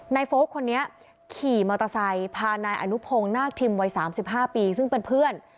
โฟลกคนนี้ขี่มอเตอร์ไซค์พานายอนุพงศ์นาคทิมวัย๓๕ปีซึ่งเป็นเพื่อน